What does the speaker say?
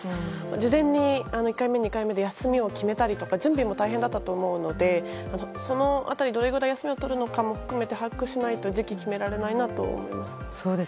事前に１回目、２回目で休みを決めたり準備も大変だったと思うのでその辺りどれぐらい休みを取るのかも含めて把握しないと時期を決められないなと思います。